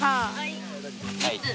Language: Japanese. はい。